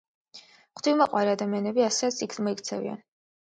ღვთისმოყვარე ადამიანები ასეც მოიქცნენ.